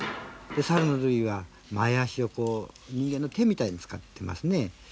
猿の類は前足を人間の手みたいに使ってますね。